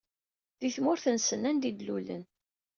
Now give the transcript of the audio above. Di tmurt-nsen anda i d-lulen.